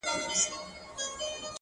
په خــــنــدا كيــسـه شـــــروع كړه!!